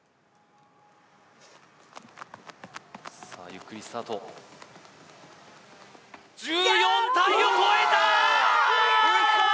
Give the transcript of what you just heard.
ゆっくりスタート１４体を越えたー